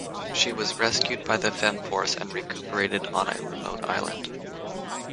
She was rescued by the Femforce and recuperated on a remote island.